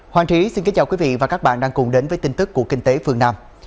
hoàng trí xin kính chào quý vị và các bạn đang cùng đến với tin tức của kinh tế phương nam